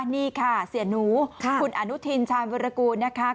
นี่ค่ะเสียหนูคุณอนุทินชาญวรกูลนะคะ